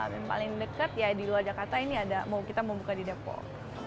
yang paling dekat ya di luar jakarta ini ada kita mau buka di depok